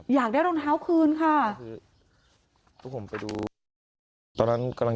อยากได้รองเท้าคืนค่ะ